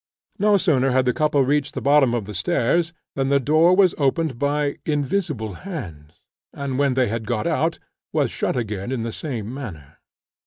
No sooner had the couple reached the bottom of the stairs, than the door was opened by invisible hands, and, when they had got out, was shut again in the same manner.